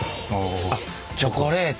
あっチョコレート。